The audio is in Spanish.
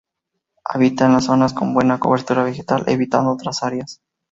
Habita solo las zonas con buena cobertura vegetal, evitando otras áreas.